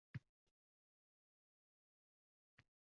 Yaxshisidan, pishganidan olgin